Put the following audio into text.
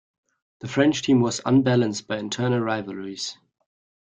The French team was unbalanced by internal rivalries.